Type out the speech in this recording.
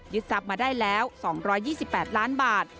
ทรัพย์มาได้แล้ว๒๒๘ล้านบาท